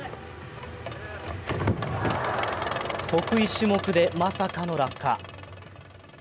得意種目で、まさかの落下。